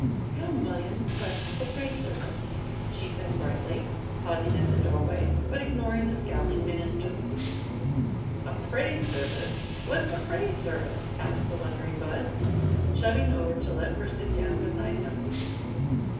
"Come, William, let's have a praise service," she said, brightly, pausing at the doorway, but ignoring the scowling minister. "A praise service! What's a praise service?" asked the wondering Bud, shoving over to let her sit down beside him.